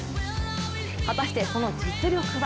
果たしてその実力は？